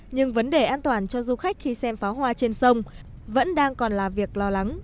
nhưng vấn đề an toàn cho du khách khi xem pháo hoa trên sông vẫn đang còn là việc lo lắng